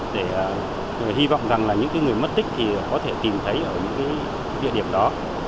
để hy vọng rằng những người mất tích có thể tìm thấy ở những địa điểm đó